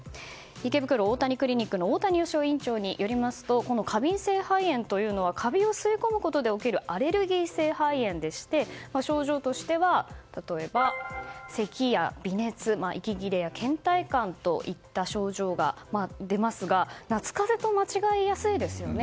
池袋大谷クリニックの大谷義夫院長によりますと過敏性肺炎はカビを吸い込むことで起きるアレルギー性肺炎で症状としては、例えばせきや微熱息切れや倦怠感といった症状が出ますが夏風邪と間違えやすいですよね。